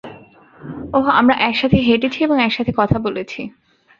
ওহ, আমরা একসাথে হেঁটেছি এবং একসাথে কথা বলেছি।